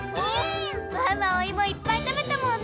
ワンワンおいもいっぱいたべたもんね。